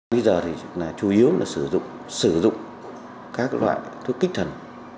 bây giờ thì chủ yếu là sử dụng các loại thuốc kích thần